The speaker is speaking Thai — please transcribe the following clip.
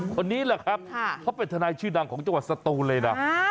คนนี้แหละครับค่ะเขาเป็นทนายชื่นั่งของจังหวัดศาสตร์ตูเลย